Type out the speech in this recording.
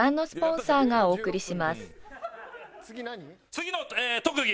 次の特技